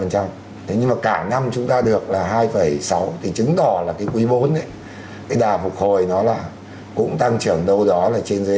thế nhưng mà cả năm chúng ta được là hai sáu thì chứng tỏ là cái quý bốn ấy cái đà phục hồi nó là cũng tăng trưởng đâu đó là trên dưới